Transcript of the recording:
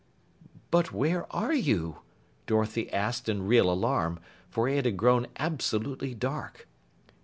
"But where are you?" Dorothy asked in real alarm, for it had grown absolutely dark.